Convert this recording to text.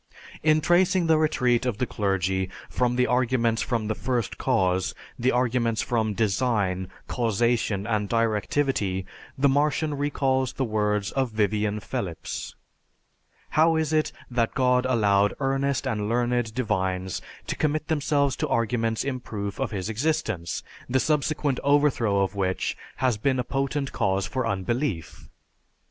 In tracing the retreat of the clergy from the arguments from the First Cause, the arguments from design, causation, and directivity, the Martian recalls the words of Vivian Phelips, "How is it that God allowed earnest and learned divines to commit themselves to arguments in proof of His existence, the subsequent overthrow of which has been a potent cause for unbelief?"